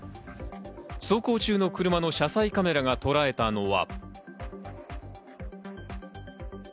走行中の車の車載カメラがとらえたのは。